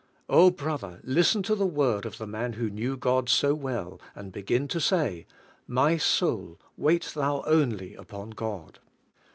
Oh, brother, listen to the word of the man who knew God so well, and begin to say: "My soul, wait thou only upon God."